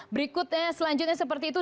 berikutnya selanjutnya seperti itu